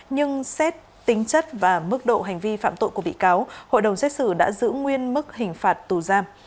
nhưng xét tính chất và mức độ hành vi phạm tội của bị cáo hội đồng xét xử đã giữ nguyên mức hình phạt tù giam